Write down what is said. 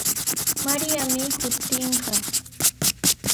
Mariami shutinqa.